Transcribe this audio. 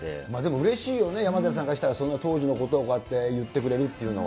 うれしいよね、でも山寺さんからしたら、その当時のことを、こうやって言ってくれるっていうのは。